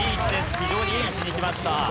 非常にいい位置にいきました。